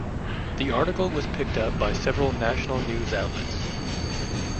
The article was picked up by several national news outlets.